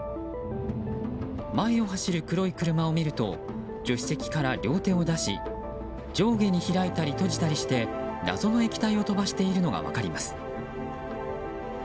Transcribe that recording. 前を走る黒い車を見ると助手席から両手を出し上下に開いたり閉じたりして謎の液体を飛ばしているのが分かります。